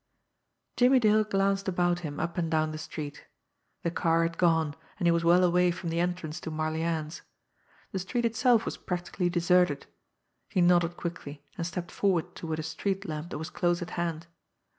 Jimmie Dale glanced about him up and down the street. The car had gone, and he was well away from the entrance to Marlianne's. The street itself was practically deserted. He nodded quickly, and stepped forward toward a street lamp that was close at hand.